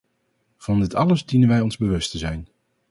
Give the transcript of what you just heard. Van dit alles dienen wij ons bewust te zijn.